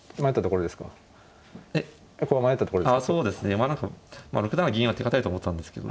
まあ何か６七銀は手堅いと思ってたんですけど。